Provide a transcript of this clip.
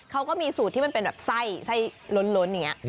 เขาก็มีสูตรที่มันเป็นแบบไส้ไส้ล้นอย่างนี้